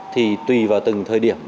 thì tùy vào từng thời điểm